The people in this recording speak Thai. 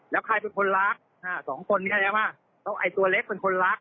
แล้วใครเป็นคนรักสองคนนี้ตัวเล็กเป็นคนรัก